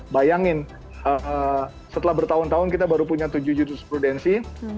bayangin setelah bertahun tahun kita baru punya tujuh jurisprudensi